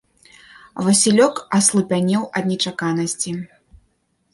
Васілёк аслупянеў ад нечаканасці.